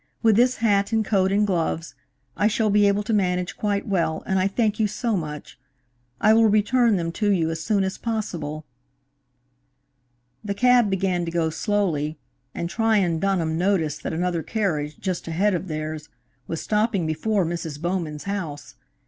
With this hat and coat and gloves, I shall be able to manage quite well, and I thank you so much! I will return them to you as soon as possible." The cab began to go slowly, and Tryon Dunham noticed that another carriage, just ahead of theirs, was stopping before Mrs. Bowman's house.